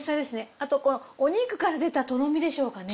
あとこのお肉から出たとろみでしょうかね。